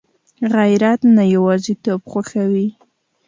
غیرت نه یوازېتوب خوښوي